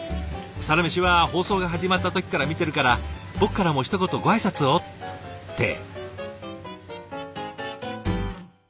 「『サラメシ』は放送が始まった時から見てるから僕からもひと言ご挨拶を」って。